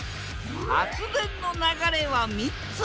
発電の流れは３つ。